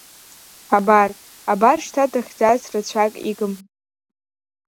Абар, абар шьҭа дрыхьӡарц рацәак игым.